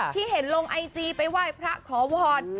ที่เห็นลงไอจีไปไหว้พระขอพร